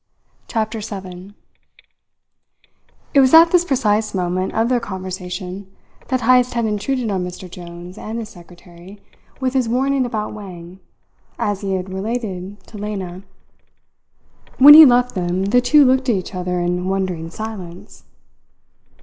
CHAPTER SEVEN It was at this precise moment of their conversation that Heyst had intruded on Mr. Jones and his secretary with his warning about Wang, as he had related to Lena. When he left them, the two looked at each other in wondering silence.